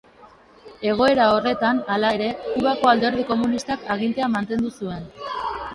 Egoera horretan, hala ere, Kubako Alderdi Komunistak agintea mantendu zuen.